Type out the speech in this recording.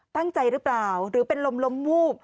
ตั้งใจหรือเปล่าหรือเป็นลมล้มวูบ